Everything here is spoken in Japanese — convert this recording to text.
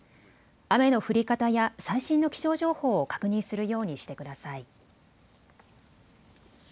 雨の降り方や最新の気象情報を確認するようにしてください。